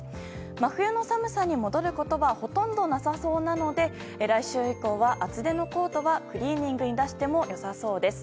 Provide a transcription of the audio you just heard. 真冬の寒さに戻ることはほとんどなさそうなので来週以降は、厚手のコートはクリーニングに出しても良さそうです。